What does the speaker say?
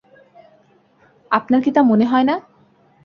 আপনার কি তা মনে হয় না?